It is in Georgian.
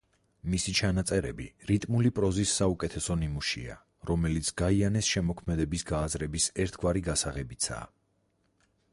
მისი ჩანაწერები რიტმული პროზის საუკეთესო ნიმუშია, რომელიც გაიანეს შემოქმედების გააზრების ერთგვარი გასაღებიცაა.